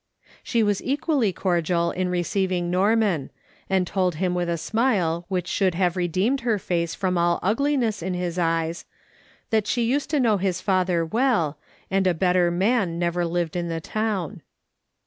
She was equally cordial in receiving Norman, and told liim with a smile which should have redeemed her face from all ugliness in his eyes, that she used to know his father well, and a better man never lived in the town.